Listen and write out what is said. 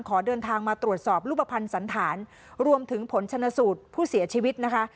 ขอเดินทางมาตรวจสอบรูปภัณฑ์สันฐานรวมถึงผลชนสูตรผู้เสียชีวิตนะคะ